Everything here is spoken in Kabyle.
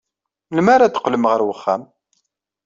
Melmi ara d-teqqlem ɣer uxxam?